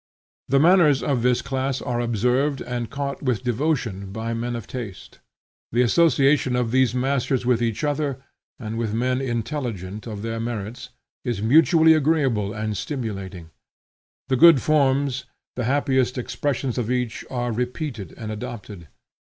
The manners of this class are observed and caught with devotion by men of taste. The association of these masters with each other and with men intelligent of their merits, is mutually agreeable and stimulating. The good forms, the happiest expressions of each, are repeated and adopted.